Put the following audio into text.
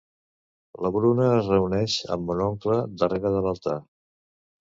La Bruna es reuneix amb mon oncle darrere de l'altar.